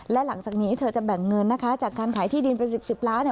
และหลังจากนี้เธอจะแบ่งเงินนะคะจากการขายที่ดินเป็น๑๐ล้าน